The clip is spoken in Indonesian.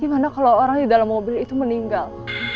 gimana kalau orang di dalam mobil itu meninggal